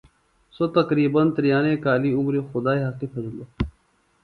سوۡ قریبن تریانوے کالی عمری خدائی حقی پھیدِلوۡ